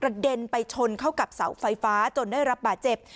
เด็นไปชนเข้ากับเสาไฟฟ้าจนได้รับบาดเจ็บ